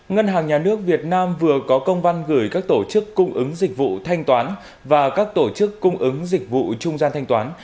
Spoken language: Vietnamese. ngân hàng nhà nước việt nam vừa có công văn gửi các tổ chức cung ứng dịch vụ thanh toán và các tổ chức cung ứng dịch vụ trung gian thanh toán